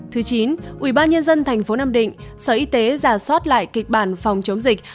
thứ chín ubnd tp nam định sở y tế giả soát lại kịch bản phòng chống dịch